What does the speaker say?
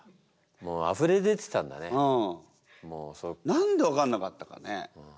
何で分かんなかったかね。